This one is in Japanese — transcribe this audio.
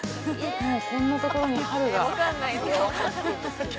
もうこんなところに春が。